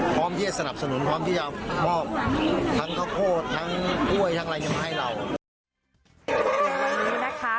พร้อมที่จะสนับสนุนพร้อมที่จะมอบทั้งข้าวโพดทั้งกล้วยทั้งอะไรมาให้เรา